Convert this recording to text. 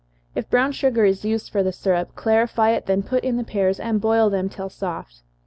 If brown sugar is used for the syrup, clarify it, then put in the pears, and boil them till soft.